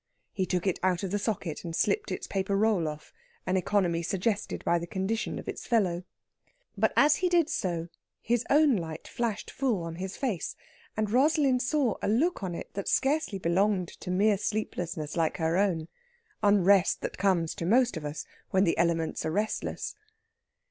He took it out of the socket, and slipped its paper roll off, an economy suggested by the condition of its fellow. But as he did so his own light flashed full on his face, and Rosalind saw a look on it that scarcely belonged to mere sleeplessness like her own unrest that comes to most of us when the elements are restless.